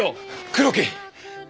黒木！